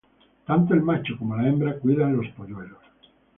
Tanto el macho como la hembra cuidan los polluelos.